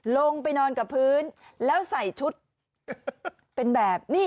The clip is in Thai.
ลงไปนอนกับพื้นแล้วใส่ชุดเป็นแบบนี้